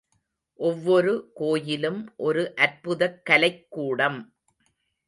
ஒவ்வொரு கோயிலும் ஒரு அற்புதக் கலைக் கூடம்.